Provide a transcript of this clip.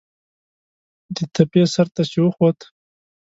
د تپې سر ته چې وخوت.